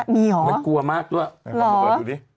มีมันกลัวมากด้วย